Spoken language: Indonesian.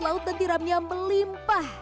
kelautan tiramnya melimpah